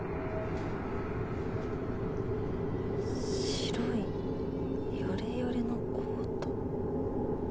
白いヨレヨレのコート。